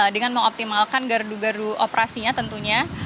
dengan mengoptimalkan gardu gardu operasinya tentunya